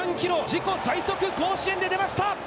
自己最速、甲子園で出ました！